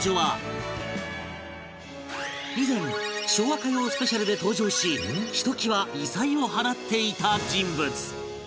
以前昭和歌謡スペシャルで登場しひときわ異彩を放っていた人物